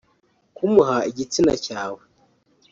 Kumuha igitsina cyane